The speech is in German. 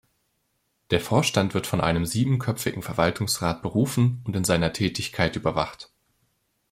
Der Vorstand wird von einem siebenköpfigen Verwaltungsrat berufen und in seiner Tätigkeit überwacht.